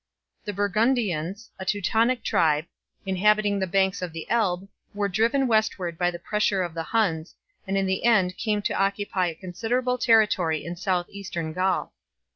The Burgundians, a Teutonic tribe, inhabiting the banks of the Elbe, were driven westward by the pressure of the Huns, and in the end came to occupy a considerable territory in south eastern Gaul.